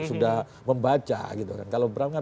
sudah membaca kalau bram kan